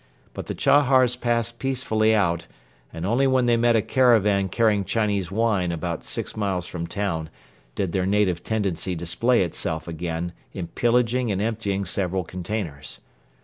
But the Chahars passed peacefully out and only when they met a caravan carrying Chinese wine about six miles from town did their native tendency display itself again in pillaging and emptying several containers.